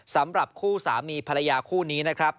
สำหรับคู่สามีภรรยาคู่นี้นะครับ